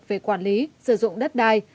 về quản lý sử dụng đất đai